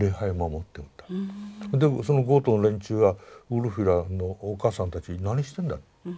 でそのゴートの連中はウルフィラのお母さんたちに何してんだ？